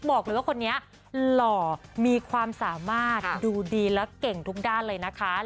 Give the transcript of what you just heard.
บอกเลยว่าคนนี้หล่อมีความสามารถดูดีและเก่งทุกด้านเลยนะคะ